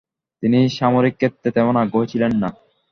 তিনি সামরিক ক্ষেত্রে তেমন আগ্রহী ছিলেন না।